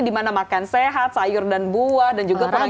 dimana makan sehat sayur dan buah dan juga makanan sehat